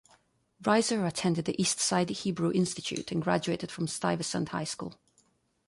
Reiser attended the East Side Hebrew Institute and graduated from Stuyvesant High School.